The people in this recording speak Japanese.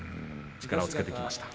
力をつけてきました。